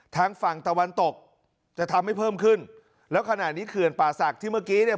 ทางฝั่งตะวันตกจะทำให้เพิ่มขึ้นแล้วขณะนี้เขื่อนป่าศักดิ์ที่เมื่อกี้เนี่ย